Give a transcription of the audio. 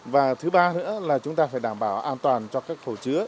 và thứ ba nữa là chúng ta phải đảm bảo an toàn cho các hồ chứa